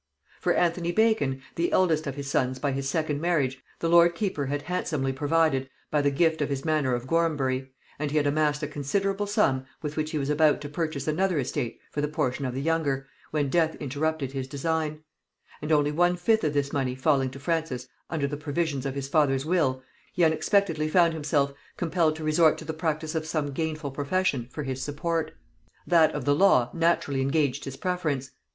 For Anthony Bacon, the eldest of his sons by his second marriage, the lord keeper had handsomely provided by the gift of his manor of Gorhambury, and he had amassed a considerable sum with which he was about to purchase another estate for the portion of the younger, when death interrupted his design; and only one fifth of this money falling to Francis under the provisions of his father's will, he unexpectedly found himself compelled to resort to the practice of some gainful profession for his support. That of the law naturally engaged his preference.